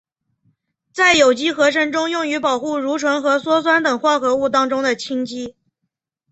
在有机合成中用于保护如醇和羧酸等化合物当中的羟基。